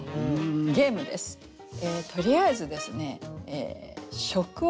とりあえずですね